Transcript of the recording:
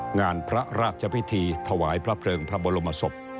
งานพระราชพิธีถวายพระเพลิงพระบรมศพ